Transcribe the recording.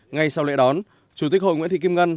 ngay sau lễ đón chủ tịch hội nguyễn thị kim ngân